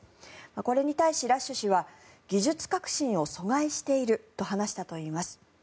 これに対し、ラッシュ氏は技術革新を阻害していると話したといいます。